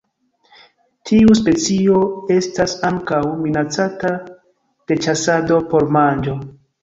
Tiu specio estas ankaŭ minacata de ĉasado por manĝo.